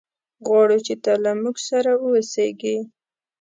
غواړو چې ته له موږ سره اوسېږي.